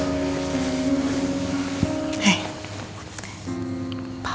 aku mau ke sana